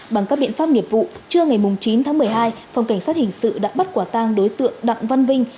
bằng các biện pháp nghiệp vụ trưa ngày chín tháng một mươi hai phòng cảnh sát hình sự đã bắt quả tang đối tượng đặng văn vinh